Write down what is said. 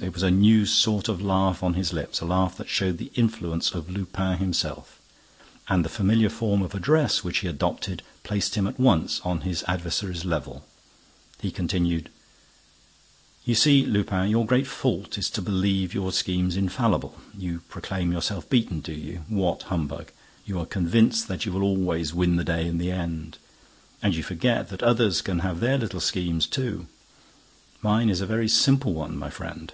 It was a new sort of laugh on his lips, a laugh that showed the influence of Lupin himself. And the familiar form of address which he adopted placed him at once on his adversary's level. He continued: "You see, Lupin, your great fault is to believe your schemes infallible. You proclaim yourself beaten, do you? What humbug! You are convinced that you will always win the day in the end—and you forget that others can have their little schemes, too. Mine is a very simple one, my friend."